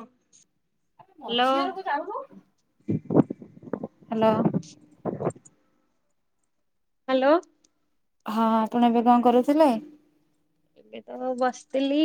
ହଁ ଝି hello [inaudible] hello ହଁ ଆପଣ ଏବେ କଣ କରୁଥିଲେ। ଏବେ ତ ବସିଥିଲି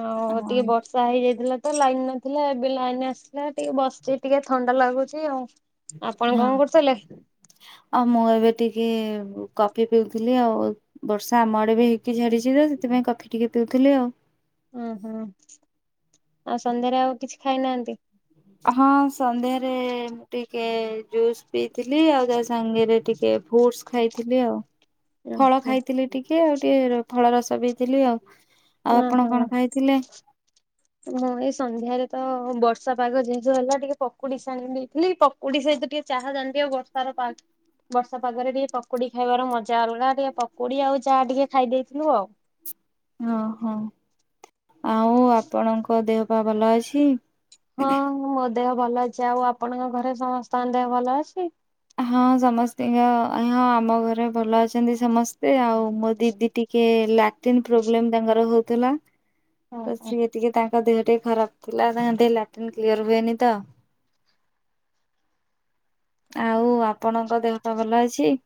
ଆଉ ହଁ ଟିକେ ବଷ ହେଇଯାଇଥିଲା ତ ଲାଇନ ନଥିଲା ଏବେ ଲାଇନ ଆସଥିଲା ଟିକେ ବସିଛି ଟିକେ ଥଣ୍ଡା ଲାଗୁଛି ଆଉ ଆପଣ କଣ କରୁଥିଲେ ଆଉ ମୁଁ ଏବେ ଟିକେ କଫି ପିଉଥିଲି ଆଉ ବର୍ଷା ଆମ ଆଡେ ବି ହେଇକି ଝାଡିଛି ତ ସେଥିପାଇଁ କଫି ଟିକେ ପିଉଥିଲି ଆଉ ଓ ହୋଁ ଆଉ ସନ୍ଧ୍ୟାରେ ଆଉ କିଛି ଖାଇନାହାନ୍ତି ହଁ ସନ୍ଧ୍ୟାରେ ମୁଁ ଟିକେ ଜୁସ୍ ପିଇଥିଲି ଆଉ ତା ସାଙ୍ଗରେ ଟିକେ ଫୁଟ ଖାଇଥିଲି ଆଉ ଫଳ ଖାଇଥିଲି ଟିକେ ଆଉ ଟିକେ ଫଳ ରସ ବିଥିଲି ଆଉ ଓହୋ ଆଉ ଆପଣ କଣ ଖାଇଥିଲେ ହଁ ଏଇ ସନ୍ଧ୍ୟାରେ ତ ବର୍ଷା ପାଗ ଯେହେତବୁ ହେଲା ଟିକେ ପଡିଶାଡିଶାତ ଟିକେ ଚାହା ଜା ଆଉ ବର୍ଷାର ପା ବର୍ଷା ପାଗରେ ଟିକେ ପକୁୋଡି ଖାଇବାର ମଜା ଆଉଲାା ଟିକେ ପକୁଡି ଆଉ ଯାହା ଟିକେ ଖାଇଦେଇଥିଲୁ ଆଉ ଓହୋ ଆଉ ଆପଣଙ୍କ ଦେହ ପା ଭଲ ଅଛି ହଁ ମୋ ଦେହ ଭଲ ଅଛି ଆଉ ଆପଣଙ୍କ ଘରେ ସମସ୍ତଙ୍କ ଦେହ ଭଲ ଅଛି? ହଁ ସମସ୍ତିଙ୍କ ହଁ ଆମ ଘରେ ଭଲ ଅଛନ୍ତି ସମସ୍ତେ ଆଉ ମୋ ଦିଦି ଟିକେ କେ ଲାଟିନ୍ ପ୍ରୋବ୍ଲେମ ତାଙ୍କର ହଉଥିଲା। ତ ଓହୋ ସିଏ ଟିକେ ତାଙ୍କ ଦେହ ଟିକେ ଖରାପ ଥିଲା ତାଙ୍କ ଲାଟିନ୍ କ୍ଲିୟର ହୁଏନି ତ। ଆଉ ଆପଣଙ୍କ ଦେହ ପା ଭଲ ଅଛି।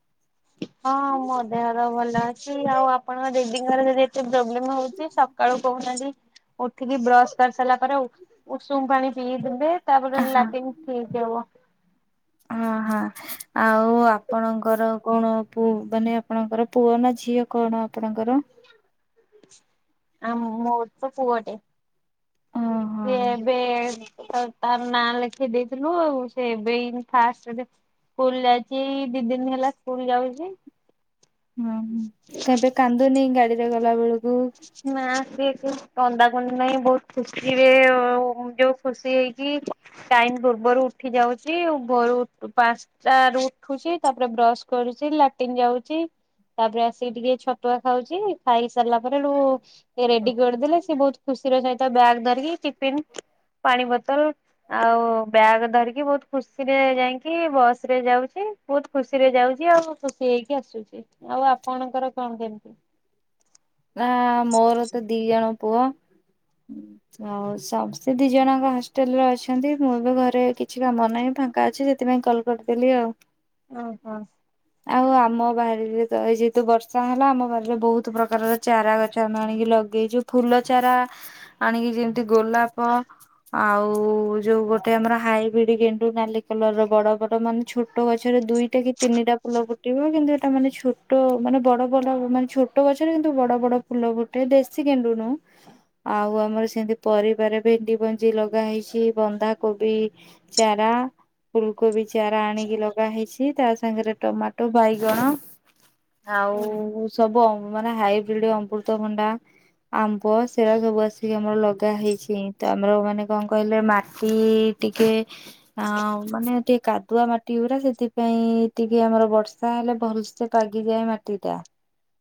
ହଁ ମୋ ଦେହର ଭଲ ଅଛି ଆଉ ଆପଣଙ୍କ ଦିଦିଙ୍କର ଯଦି ଏତେ ପ୍ରୋବ୍ଲେମ ହଉଛି କାଳୁ କହୁନାହାନ୍ତି ଉଠିକି ବ୍ରଶ କରିସାରିଲା ପରେ ଉଷୁମ ପାଣି ପିଇଦେବେ। ତାପରେ ହଁ ଲାଟିନ୍ ଠିକ୍ ହବ। ହଁ। ହ ଆଉ ଆପଣଙ୍କର କଣ ପୁ ମାନେ ଆପଣଙ୍କର ପୁଅ ନା ଝିଅ? କଣ ଆପଣଙ୍କର? ଆମ ମ ମ ପୁଅଟେ ଓହୋ ସିଏ ଏବେ ତାର ନାଁ ଲେଖେଇ ଦେଇଥିଲୁ ସେ ଏବେ ଏଇନ ଫାଷ୍ଟରେ ସ୍କୁଲ ଯାଇଚି ଦି ଦିନ ହେଲା ସ୍କୁଲ ଯାଉଚି। ହଁ ହଁ କେବେ କାନ୍ଦୁନି ଗାଡିରେ ଗଲା ବେଳୁକୁ। ନା ସେ କନ୍ଦାକନ୍ଦି ନାହିଁ ବହୁତ ଖୁସି ରେ ଯୋଉ ଖୁସି ହେଇକି ଟାଇମ ପୂର୍ବରୁ ଉଠି ଯାଉଚି ଭୁରୁ ପା ଚାର ରରୁ ଉଠୁଚି ତାପରେ ବ୍ରଶ କରୁଛି ଲାଟିନ୍ ଯାଉଚି। ତାପରେ ଆସିକି ଟିକେ ଛତୁଆ ଖାଉଚି ଖାଇ ସାରିଲା ପରେ ହେଡୁ ରେଡି କରିଦେଲେ ସିଏ ବହୁତ ଖୁସିର ସହିତ ବ୍ୟାଗ୍ ଧରିକି ଟିଫିନ, ପାଣି ବୋତଲ। ଆଉ ବ୍ୟାଗ ଧରିକି ବହୁତ ଖୁସିରେ ଯାଇଁକି ବସ ରେ ଯାଉଛି। ବହୁତ ଖୁସି ରେ ଯାଉଛି ଆଉ ଖୁସି ହେଇକି ଆସୁଛି, ଆଉ ଆପଣଙ୍କର କଣ କେମିତି? ଆ ମୋର ତ ଦି ଜଣ ପୁଅ। ଆଉ [unintelligible] ଦି ଜଣଙ୍କ ହଷ୍ଟେଲ ରେ ଅଛନ୍ତି ମୁଁ ଏବେ ଘରେ କିଛି କାମ ନାହିଁ ଫାଙ୍କା ଅଛି ସେଥିପାଇଁ କଲ କରିଦେଲି ଆଉ। ଓ ହୋ। ଆଉ ଆମ ବାରିରେ ତ ଏ ଯେହେତୁ ବର୍ଷା ହେଲା ଆମ ବାରିରେ ବହୁତ ପ୍ରକାରର ଚାରା ଗଛ ଆମେ ଆଣିକି ଲଗେଇଚୁ ଫୁଲ ଚାରା ଆଣିକି ଯେମିତି ଗୋଲାପ ଆଉ ଯୋଉ ଗୋଟେ ଆମର ହାଇବ୍ରିଡ ଗେଣ୍ଡୁ ନାଲି କଲର ର ବଡ ବଡ ମାନେ ଛୋଟ ଗଛରେ ଦୁଇ କି ତିନିଟା ଫୁଲ ଫୁଟିବ କିନ୍ତୁ ଏଟା ମାନେ ଛୋଟ ମାନେ ବଡ ବଡ ମାନେ ଛୋଟ ଗଛରେ ବଡ ବଡ ଫୁଲ ଫୁଟେ ଦେଶୀ ଗେଣ୍ଡୁ ନୁ ଆଉ ଆମର ସେମତି ପରିବାରେ ଭେଣ୍ଡି ଭଞ୍ଜି ଲଗା ହେଇଛି ବନ୍ଧାକୋବି। ଚାରା। ଫୁଳକୋବି ଚାରା ଆଣିକି ଲଗା ହେଇଛି ତା ସାଙ୍ଗରେ ଟମାଟୋ, ବାଇଗଣ। ଆଉ ସବୁ ମାନେ ହାଇବ୍ରିଡ ଅମୃତଭଣ୍ଡା। ଆମ୍ବ [unintelligible] ସବୁ ଆସିକି ଆମର ଲଗା ହେଇଛି ତ ଆମର ମାନେ କଣ କହିଲେ ମାଟି ଟିକେ ଆଁଉ ମାନେ ଟିକେ କାଦୁଆ ମାଟି ଗୁରା ସେଥିପାଇଁ ଟିକେ ଆମର ବର୍ଷା ହେଲେ ଭଲ ସେ ପାଗିକିଆ ମାଟି ଟା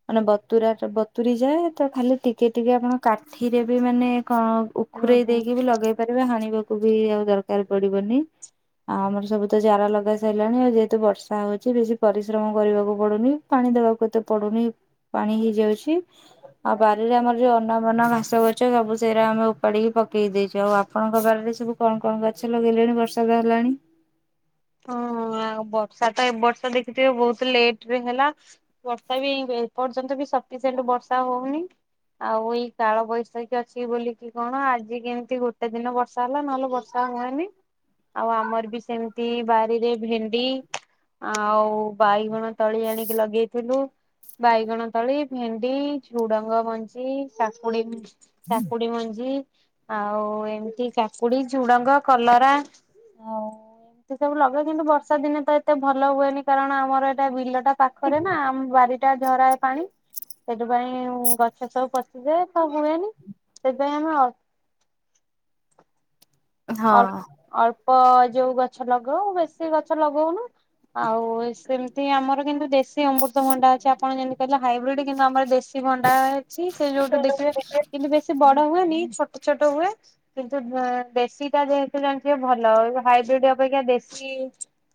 ମାନେ ବତୁରା ବତୁୁରି ଯାଏ ତ ଖାଲି ଟିକେ ଟିକେ ଆପଣ କାଠିରେ ବି ମାନେ କଣ ଉଖୁରେଇ ଓହୋ ଦେଇକି ବି ଲଗେଇ ପାରିବ ହାଣିବାକୁ ବି ଆଉ ଦରକାର ପଡିବନି। ଆଉ ଆମର ସବୁ ତ ଚାରା ଲଗା ସଇଲାଣି ଆଉ ଯେହେତୁ ବର୍ଷା ହଉଛି ବେଶୀ ପରିଶ୍ରମ କରିବାକୁ ପଡୁନି। ପାଣି ଦବାକୁ ଏତେ ପଡୁନି ପାଣି ହେଇଯାଉଛି। ଆଉ ବାରିରେ ଆମର ଯୋଉ ଅନା ବନା ଘାସ ଗଛ ସବୁ ସେଇରା ଆମର ଉପାଡିକି ପକେଇ ଦେଇଛୁ ଆଉ ଆପଣଙ୍କ ବାରିରେ ସବୁ କଣ କଣ ଗଛ ଲଗେଇଲେଣି ବର୍ଷାଦ ହେଲାଣି? ହ ଆଉ ବର୍ଷା ତ ଏ ବର୍ଷ ଦେଖିଥିବେ ବହୁତ ଲେଟ ରେ ହେଲା। ବର୍ଷା ବି ଏପର୍ଯ୍ୟନ୍ତ ବି ସଫିସେଣ୍ଟ ବର୍ଷା ହଉନି। ଆଉ ଏଇ କାଳ ବୈଶାଖୀ ଅଛି ବୋଲିକି କଣ ଆଜି କେମିତି ଗୋଟେ ଦିନ ବର୍ଷା ହେଲା ନହେଲେ ବର୍ଷା ହୁଏନି ଆଉ ଆମର ବି ସେମିତି ଏ ବାରିରେ ଭେଣ୍ଡି ଆଉ ବାଇଗଣ ତଳି ଆଣିକି ଲଗେଇଥିଲୁ। ବାଇଗଣ ତଳି ଭେଣ୍ଡି ଝୁଡଙ୍ଗ ମଞ୍ଜି କାକୁଡି କାକୁଡି ମଞ୍ଜି ଆଉ ଏମିତି କାକୁଡି ଝୁଡଙ୍ଗ କଲରା ଆଉ ଏ ସବୁ ଲଗେ କିନ୍ତୁ ବର୍ଷା ଦିନେ ତ ଏତେ ଭଲ ହୁଏନି କାରଣ ଆମର ଏଇଟା ବିଲଟା ପାଖରେ ନା ବାରି ଟା ଝରାଏ ପାଣି ସେଥିପାଇଁ ଗଛ ସବୁ ପଚିଯାଏ ସବୁ ହୁଏନି ସେଥିପାଇଁ ଆମେ ଅଳ୍ ଅଳ୍ପ ଯୋଉ ଗଛ ଲଗାଉ ବେଶୀ ଗଛ ଲଗଉନୁ ଆଉ ସେମିତି ଆମର କିନ୍ତୁ ଦେଶୀ ଅମୃତଭଣ୍ଡା ଅଛି ଆପଣ ଯେମିତି କହିଲେ ହାଇବ୍ରିଡ୍ କିନ୍ତୁ ଆମର ଦେଶୀ ଶିଭଣ୍ଡା ଅଛି ସେ ଯୋଉଠୁ ଦେଖିବେ ହଁ। କିନ୍ତୁ ବେଶ ବଡ ହୁଏନି ଛୋଟ ଛୋଟ ହୁଏ କିନ୍ତୁ ବେଶୀ ଯେତୁ ଜାଣିଥିବେ ଭଲ ହାଇବ୍ରିଡ ଅପେକ୍ଷା ଦେଶୀ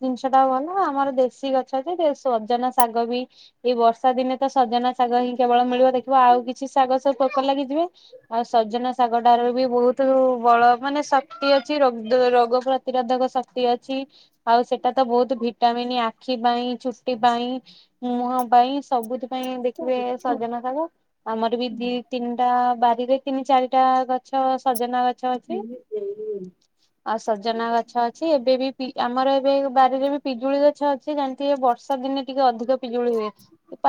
ଜିନିଷ ଟା ଭଲ ଆମର ଦେଶୀ ଗଛ ଅଛି ଓଜନ ଶାଗ ବି ଏଇ ବର୍ଷା ଦିନେ ତ ସଜନା ଶାଗ ହିଁ କେବଳ ମିଳିବ ଦେଖିବ ଆଉ କିଛି ଶାଗ ପୋକ ଲାଗିଯିବେ ଆଉ ସଜନା ଶାଗଟାରୁ ବି ବହୁତ ବଳ ମାନେ ଶକ୍ତି ଅଛି ରୋଗ ପ୍ରତିରୋଧକ ଶକ୍ତି ଅଛି। ଆଉ ସେଟା ତ ବହୁତ ଭିଟାମିନ ଆଖି ପାଇଁ ଚୁଟି ପାଇଁ। ମୁହଁ ପାଇଁ ସବୁଥି ପାଇଁ ଦେଖିବେ ସଜନା ଖାଗ ଆମର ବି ଦି ତିନିଟା ବାରିରେ ତିନି ଚାରିଟା ଗଛ ସଜନା ଗ ମୁ ଯାଇ। [unintelligible] ଆଉ ସଜନା ଗଛ ଅଛି ଏବେ ବି ପି ଆମର ଏବେ ବାରିରେ ବି ପିଜୁଳି ଗଛ ସେ ଜାଣିଥିବେ ବର୍ଷା ଦିନେ ଟିକେ ଅଧିକ ପିଜୁଳି ହୁଏ।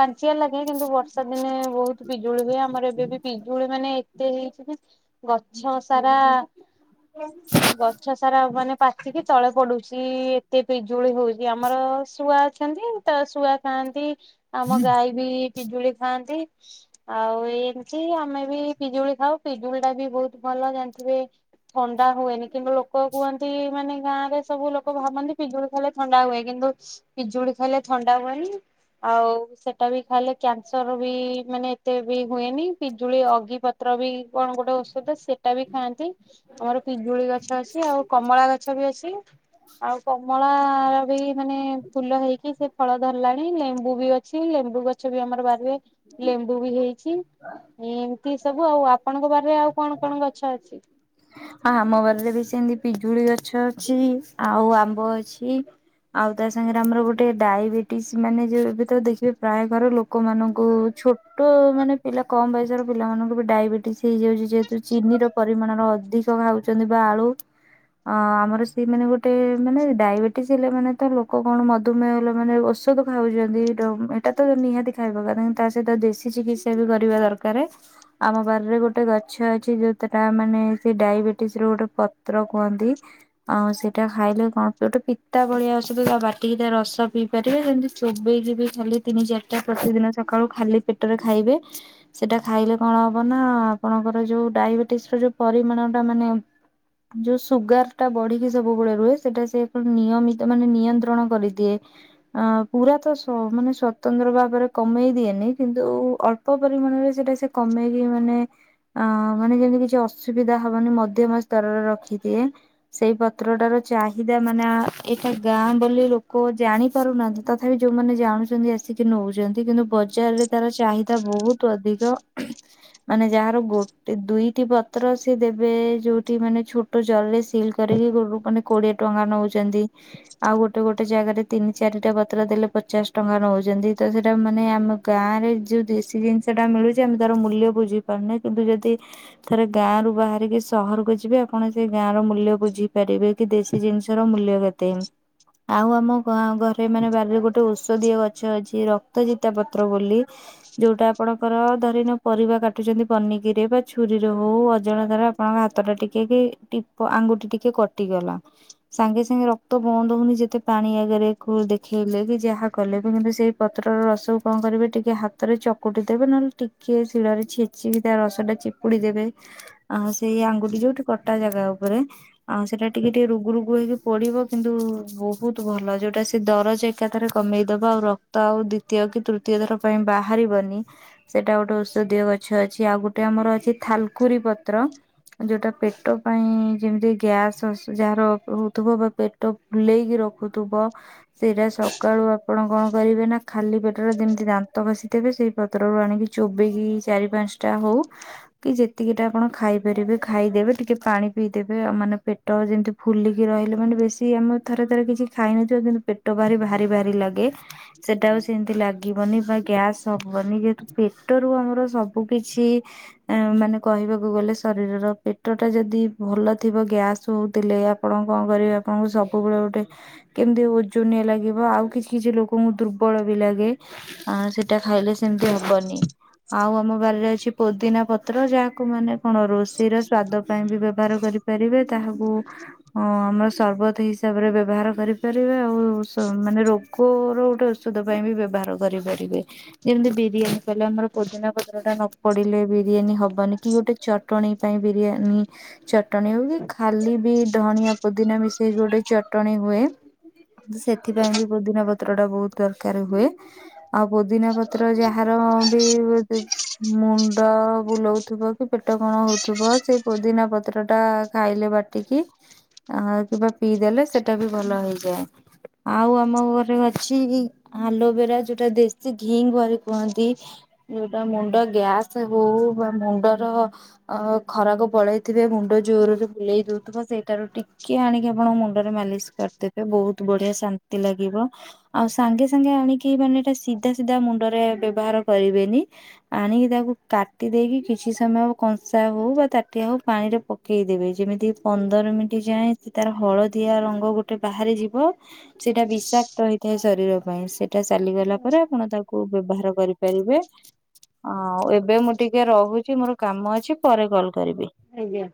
ପଞ୍ଚିଆ ଲାଗେ କିନ୍ତୁ ବର୍ଷା ଦିନେ ବହୁତ ପିଜୁଳି ହୁଏ ଆମର ଏବେ ବି ପିଜୁଳି ମାନେ ଏତେ ହେଇଛି ନା। ଗଛ ସାରା। ହଁ। ଗଛ ସାରା ମାନେ ପାଚିକି ତଳେ ପଡୁଛି ଏତେ ପିଜୁଳି ହଉଛି ଆମର ଶୁଆ ଅଛନ୍ତି। ତ ଶୁଆ ଖାଆନ୍ତି ଆମ ଗାଈ ବି ପିଜୁଳି ଖାଆନ୍ତି। ଆଉ ଏମିତି ଆମେ ବି ପିଜୁଳି ଖାଉ ପିଜୁଳି ଟା ବି ବହୁତ ଭଲ ଜାଣିଥିବେ। ଥଣ୍ଡା ହୁଏନି କିନ୍ତୁ ଲୋକ କୁହନ୍ତି ମାନେ ଗାଁରେ ସବୁ ଲୋକ ଭାବନ୍ତି ପିଜୁଳି ଲେ ଥଣ୍ଡା ହୁଏ କିନ୍ତୁ ପିଜୁଳି ଖାଇଲେ ଥଣ୍ଡା ହୁଏନି ଆଉ ସେ ବି ଖାଇଲେ କ୍ୟାନସର ବି ମାନେ ଏତେ ବି ହୁଏନି। ଯଳି ଅଗିପତ୍ର ବି କଣ ଗୋଟେ ଔଷଧ ସେଟା ବି ଖାଆନ୍ତି। ଆମର ପିଜୁଳି ଗଛ ଅଛି ଆଉ କମଳା ଗଛ ବି ଅଛି। ଆଉ କମଳା ର ବି ମାନେ ଫୁଲ ହେଇକି ସେ ଫଳ ଧରିଲାଣି ଲେମ୍ବୁ ବି ଅଛି ଲେମ୍ବୁ ଗଛ ବି ଆମର ବାହାରେ ଲେମ୍ବୁ ବି ହେଇଛି ଏମତି ସବୁ ଆଉ ଆପଣଙ୍କ ବାରରେ ଆଉ କଣ କଣ ଗଛ ଅଛି। ହ ଆମ ବାଲିରେ ବି ସେମିତି ପିଜୁଳି ଗଛ ଅଛି ଆଉ ଆମ୍ବ ଅଛି। ଆଉ ତା ସାଙ୍ଗରେ ଆମର ଗୋଟେ ଡାଇବେଟିସ୍ ମାନେ ଯୋଉ ଏବେ ଦେଖିବେ ପ୍ରାୟ ଘର ଲୋକମାନଙ୍କୁ ଛୋଟ ମାନେ ପିଲା କମ ବୟସର ପିଲାମାନଙ୍କୁ ବି ଡାଇବେ ହେଇଯାଉଛି ଯେହେତୁ ଚିନି ର ପରିମାଣର ଅଧିକ ଖାଉଛନ୍ତି ବା ଆଳୁ। ଅ ଆମର ସେଇମାନେ ଗୋଟେ ମାନେ ଡାଇବେଟିସ୍ ହେଲେ ମାନେ ତ ଲୋକ କଣ ମଧୁମେହ ହେଲେ ମାନେ ଦ ଖାଉଛନ୍ତି ଏଇଟା ତ ନିହାତି ଖାଇବା ତା ସହିତ ଦେଶୀ ଚିକିତ୍ସା ବି କରିବା ଦରକାର। ଆମ ବାରରେ ଗୋଟେ ଗଛ ଅଛି ଯୋଉତଟା ମାନେ ସେ ଡାଇବେଟିସ ର ଗୋଟେ ପତ୍ର କୁହନ୍ତି। ଆଉ ସେଇଟା ଖାଇଲେ କଣ ଗୋଟେ ପିତା ଭଳିଆ ଔଷଧ ତା ବାଟିକି ତା ରସ ପିଇ ପାରିବେ ଯେମିତି ଚୋବେଇ ଯିବି ଖାଲି ତିନି ଚାରିଟା ପ୍ରତି ଦିନ ସକାଳୁ ଖାଲି ପେଟରେ ଖାଇବେ। ସେଟା ଖାଇଲେ କଣ ହବ ନା ଆପଣଙ୍କର ଯୋଉ ଡାଇବେଟିସ ର ଯୋଉ ପରିମାଣ ଟା ମାନେ। ଯୋଉ ସୁଗାର ଟା ବଢିକି ସବୁବେଳେ ରୁହେ ସେଟା ସେ ନିୟମିତ ମାନେ ନିୟନ୍ତ୍ରଣ କରିଦିଏ। ଅ ପୁରା ତ ମାନେ ସ୍ଵତନ୍ତ୍ର ଭାବରେ କମେଇ ଦିଏନି କିନ୍ତୁ ଅ ପ ପରିମାଣରେ ସେଟା ସେ କମେଇକି ମାନେ ଅ ମାନେ ଯେମିତି କିଛି ଅ ସୁବିଧା ହବନି ମଧ୍ୟମ ସ୍ତରରେ ରଖିଦିଏ। ସେଇ ପତ୍ରଟା ର ଚାହିଦା ମାନେ ଆ ଏଇଟା ଗାଁ ବୋଲି ଲୋ କ ଜାଣି ପାରୁନାହାନ୍ତି। ତଥାପି ଯୋଉମାନେ ଜାଣୁଛନ୍ତି ଆସିକି ନଉଛନ୍ତି। କିନ୍ତୁ ବଜାରରେ ତାର ଚାହିଦା ବହୁତ୍। ଅଧିକ। ମାନେ ଯାହାର ଗୋଟେ ଦୁଇଟି ପ ପତ୍ର ସିଏ ଦେବେ ଯୋଉଠି ମାନେ ଛୋଟ ଜରିରେ ସିଲ୍ କରିକି ମାନେ କୋଡିଏ ଟଙ୍କା ନେଉଛନ୍ତି। ଆଉ ଗୋଟେ ଗୋଟେ ଜାଗାରେ ତିନି ଚାରିଟା ପତ୍ର ଦେଲେ ପଚାଶ ଟଙ୍କା ନଉଛନ୍ତି। ତ ସେଟା ମାନେ ଆମେ ଗାଁ ରେ ଯୋଉ ଦେଶୀ ଜିନିଷ ଟା ମିଳୁଚି ଆମେ ତାର ମୂଲ୍ୟ ବୁଝି ପାରୁନେ। କିନ୍ତୁ ଯଦି ଥରେ ଗାଁ ରୁ ବାହାରିକି ସହରକୁ ଯିବେ ଆପଣ ସେ ଗାଁ ର ମୂଲ୍ୟ ବୁଝିପାରିବେ। କି ଦେଶୀ ଜିନିଷର ମୂଲ୍ୟ କେତେ। ଆଉ ଆମ ଗାଁ ଘରେ ମାନେ ବାରରେ ଗୋଟେ ଓ ଔଷଧିୀୟ ଗଛ ଅଛି ରକ୍ତ ଚିତା ପତ୍ର ବୋଲି ଯୋଉଟା ଆପଣଙ୍କର ଧରିନିଆର ପରିବା କାଟୁଛନ୍ତି ବନିକିରେ ବା ଛୁରୀ ଯୋଉ ଅଜଣତାର ଆପଣଙ୍କ ହାତ ଟା ଟିକେ କି ଆଙ୍ଗୁଠି ଟିକେ କଟିଗଲା ସାଙ୍ଗେ ସାଙ୍ଗେ ରକ୍ତ ବନ୍ଦ ହଉନି ଯେତେ ପାଣି ଆଗରେ ଦେଖେଇଲେ କି ଯାହା କଲେ ବି କିନ୍ତୁ ସେ ପତ୍ରର ରସକୁ କଣ କରିବେ ଟିକେ ହାତରେ ଚକୁଟି ଦେବେ ନହେଲେ ଟିକେ ଶିଳରେ ଛେଚିକି ତା ରସ ଟା ଚି ପୁଡ଼ିଦେବେ। ଆ ସେଇ ଆଙ୍ଗୁଠି ଯୋଉଠି କଟା ଜାଗା ଉପରେ। ଆଉ ସେଟା ଟିକେ ଟିକେ ରୁଗୁ ରୁଗୁ ହେଇକି ପୋଡିବ। କିନ୍ତୁ ବହୁତ ଭଲ ଯୋଉଟା ସେ ଦରଜ ଏକାଥରେ କମେଇ ଦବ ଆଉ ରକ୍ତ ଆଉ ଦ୍ଵିତୀୟ କି ତୃତୀୟ ଥର ପାଇଁ ବାହାରିବନି। ସେଇଟା ଗୋଟେ ଔଷଧୀୟ ଗଛ ଅଛି। ଆଉ ଗୋଟେ ଆମର ଅଛି ଥାଲକୁରି ପତ୍ର। ଯୋଉଟା ପେଟ ପାଇଁ ଯେମିତି ଗ୍ୟାସ୍ ଯାହାର ହଉଥିବ ବା ପେ ବୁଲେଇକି ରଖୁଥିବ ସେଇଟା ସକାଳୁ ଆପଣ କଣ କରିବେ ନା ଖାଲି ପେଟରେ ଯେମିତି ଦାନ୍ତ ଖଷିଥେବେ ସେ ପତ୍ର ରୁ ଆଣିକି ଚୋବେଇକି ଚାରି ପାଞ୍ଚ ଟା ହଉ ଯେତିକି ଟା ଆପଣ ଖାଇପାରିବେ ଖାଇଦେବେ। ଟିକେ ପାଣି ପିଇଦେବେ ଆଉ ମାନେ ପେଟ ଯେମିତି ଫୁଲିକି ରହିଲେ ମାନେ ବେଶୀ ଆମେ ଥରେ ଥରେ କିଛି ଖାଇନଥିବ କିନ୍ତୁ ପେଟ ଭାରି ଭାରି ଭାରି ଲାଗେ। ସେଟା ଆଉ ସେମିତି ଲା ଲାଗିବନି ବା ଗ୍ୟାସ ହବନି ଯେହେତୁ ପେଟରୁୁ ଆମର ସବୁ କିଛି ଏ ମାନେ କହିବାକୁ ଗଲେ ଶରୀରର ପେଟ ଟା ଯଦି ଭଲ ଥିବ ଗ୍ୟାସ୍ ହଉଥିଲେ ଆପଣ କଣ କରିବେ ଆପଣଙ୍କୁ ସବୁବେଳେ ଗୋଟେ କେମିତି ଓଜନିଆ ଲାଗିବ ଆଉ କିଛି କିଛି ଲୋକଙ୍କୁ ଦୁ ଦୁର୍ବଳ ବି ଲାଗେ। ଆ ସେଇଟା ଖାଇଲେ ସେମିତି ହବନି। ଆଉ ଆମ ବାରିରେ ଅଛି ପୋଦିନା ପ ପତ୍ର ଯାହାକୁ ମାନେ କଣ ରୋଷେଇର ସ୍ଵାଦ ପାଇଁ ବି ବ୍ୟବହାର କରିପାରିବେ ତାହାକୁ ହଁ ଆମର ସରବତ ହିସାବରେ ବ୍ୟବହାର କରିପାରିବା ଆଉ ମାନେ ରୋ ରୋଗ ର ଗୋଟେ ଔଷଧ ପାଇଁ ବି ବ୍ୟବହାର କରିପାରିବେ। ଯେମିତି ବିରିୟାନୀ କହିଲେ ଆମର ପୋଦିନା ପତ୍ର ଟା ନ ପଡିଲେ ବି ବିରିୟାନୀ ହବନି। କି ଗୋଟେ ଚଟଣୀ ପାଇଁ ବିରିୟାନୀ ଚଟଣୀ ହଉ କି ଖାଲି ବି ଧଣିଆ ପୋଦିନା ମିଶେଇକି ଗୋଟେ ଚଟଣି ହୁଏ। ସେଥିପାଇଁ ବି ପୋଦିନା ପତ୍ର ଟା ବହୁତ ଦରକାର ହୁଏ। ଆଉ ପୋଦିନା ପତ୍ର ଯାହାର ବି ମୁଣ୍ଡ ବୁଲଉଥିବ କି ପେଟ କଣ ହଉଥିବ ସେଇ ପୋଦିନା ପତ୍ର ଟା ଖାଇଲେ ବାଟିକି ଆ କିବା ପିଇଦେଲେ ସେଟା ବି ଭଲ ହେଇଯାଏ। ଆଉ ଆମ ଘରେ ଅଛି ଆଲୋଭେରା ଯୋଉଟା ଦେଶୀ ଘିକୁଆଁରୀ କୁହନ୍ତି। ଯୋଉଟା ମୁଣ୍ଡ ଗ୍ୟାସ ହଉ ବା ମୁଣ୍ଡର ଅ ଖରାକୁ ପଳେଇଥିବେ ମୁଣ୍ଡ ଜୋରରେ ବୁଲେଇ ଦଉଥିବ ସେଇଟାରୁ ଟି କେ ଆଣିକି ଆପଣଙ୍କ ମୁଣ୍ଡରେ ମାଲିସ କରିଦେବେ ବହୁତ ବଢିଆ ଶାନ୍ତି ଲାଗିବ। ଆଉ ସାଙ୍ଗେ ସାଙ୍ଗେ ଆଣିକି ମାନେ ଏଟା ସିଧା ସିଧା ମୁଣ୍ଡରେ ବ୍ୟବହାର କରିବେନି। ଆଣିକି ତାକୁ କାଟି ଦେଇକି କିଛି ସମୟବ କଂସା ହଉ ବା ତାଟିଆ ହଉ ପାଣିରେ ପ ପକେଇଦେବେ। ଯେମିତି ପନ୍ଦର ମିନିଟ୍ ଯାଏଁ ସେ ତାର ହଳଦୀ ଦୀଆ ରଙ୍ଗ ଗୋଟେ ବାହାରି ଯିବ ସେଇଟା ବିଷାକ୍ତ ହେଇଥାଏ ଶରୀର ପାଇଁ। ସେ ଟା ଚାଲିଗଲା ପରେ ଆପଣ ତାକୁ ବ୍ୟବହାର କରିପାରିବେ। ଆ ଏବେ ମୋ ଟିକେ ରହୁଚି ମୋର କାମ ଅଛି ପରେ କଲ୍ କରିବି। ଆଜ୍ଞା।